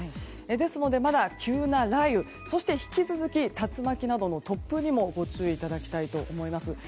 ですので、まだ急な雷雨そして、引き続き竜巻などの突風にもご注意いただきたいと思います。